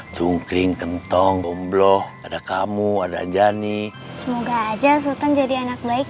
cungkring kentong gombloh ada kamu ada jani semoga aja sultan jadi anak baik